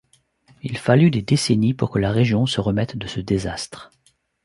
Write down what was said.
Il fallut des décennies pour que la région se remette de ce désastre.